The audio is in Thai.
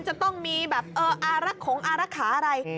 จะต้องเอาของของอะไร